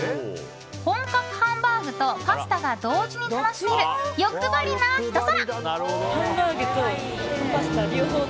本格ハンバーグとパスタが同時に楽しめる欲張りなひと皿。